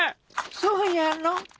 そうやろ。